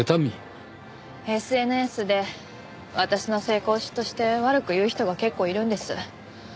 ＳＮＳで私の成功を嫉妬して悪く言う人が結構いるんです。